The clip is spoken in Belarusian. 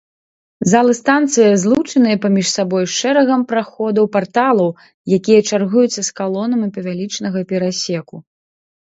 Залы станцыі злучаныя паміж сабой шэрагам праходаў-парталаў, якія чаргуюцца з калонамі павялічанага перасеку.